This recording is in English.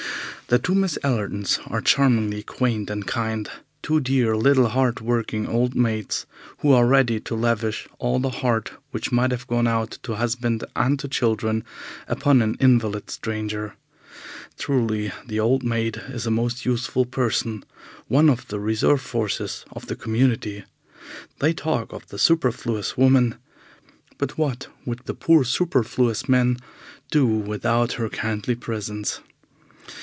The two Miss Allertons are charmingly quaint and kind, two dear little hard working old maids, who are ready to lavish all the heart which might have gone out to husband and to children upon an invalid stranger. Truly, the old maid is a most useful person, one of the reserve forces of the community. They talk of the superfluous woman, but what would the poor superfluous man do without her kindly presence?